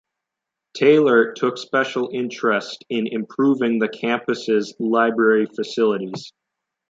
Taylor took special interest in improving the campus’s library facilities.